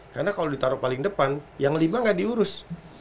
karena kalau ditaruh paling depan yang lima nggak diurus